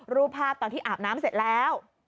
รูปภาพตอนที่อาบน้ำเสร็จแล้ว